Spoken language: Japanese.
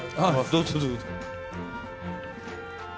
どうぞどうぞ。